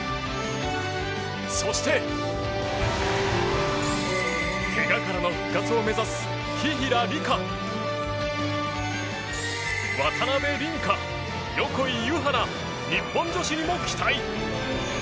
そして、怪我からの復活を目指す紀平梨花渡辺倫果、横井ゆは菜日本女子にも期待。